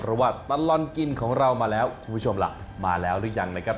เพราะว่าตลอดกินของเรามาแล้วคุณผู้ชมล่ะมาแล้วหรือยังนะครับ